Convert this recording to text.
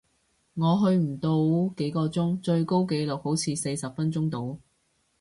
我去唔到幾個鐘，最高紀錄好似四十分鐘度